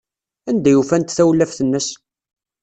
Anda ay ufant tawlaft-nnes?